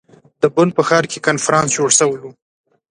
د بن په ښار کې کنفرانس جوړ شوی ؤ.